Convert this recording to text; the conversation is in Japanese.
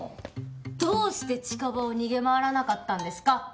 どうして近場を逃げ回らなかったんですか？